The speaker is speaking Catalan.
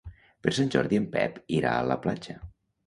Per Sant Jordi en Pep irà a la platja.